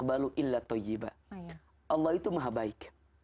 allah itu mahabaik